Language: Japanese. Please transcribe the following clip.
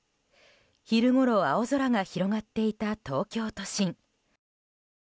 昼ごろ、青空が広がっていた東京都心。